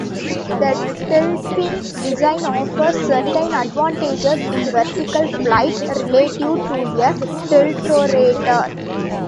The tiltwing design offers certain advantages in vertical flight relative to a tiltrotor.